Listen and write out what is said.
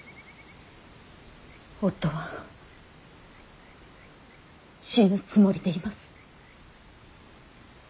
夫は死ぬつもりでいます。